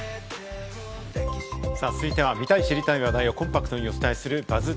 続いては、見たい知りたい情報をコンパクトにお伝えするＢＵＺＺ